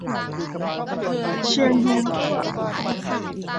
เชียงเฮียงตั้ว